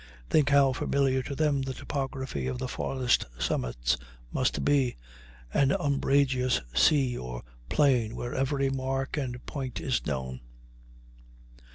Think how familiar to them the topography of the forest summits must be, an umbrageous sea or plain where every mark and point is known.